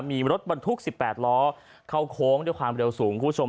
มีรถบรรทุก๑๘ล้อเข้าโค้งด้วยความเร็วสูงคุณผู้ชม